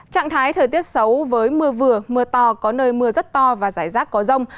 trạng thái thời tiết xấu với mưa vừa mưa to có nơi mưa rất to và rải rác có rông